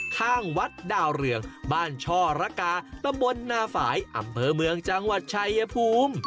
ข้างวัดดาวเรืองบ้านช่อระกาตำบลนาฝ่ายอำเภอเมืองจังหวัดชายภูมิ